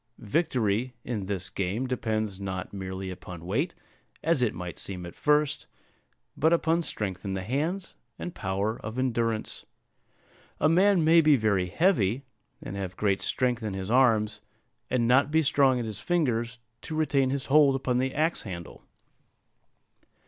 Victory in this game depends not merely upon weight, as it might seem at first, but upon strength in the hands, and power of endurance. A man may be very heavy, and have great strength in his arms, and not be strong in his fingers to retain his hold upon the axe handle.